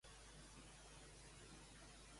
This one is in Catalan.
Què són els Anradhs i els Ollamhs?